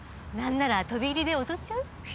なんなら飛び入りで踊っちゃう？